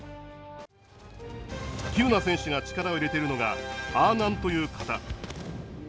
喜友名選手が力を入れているのがアーナンという形。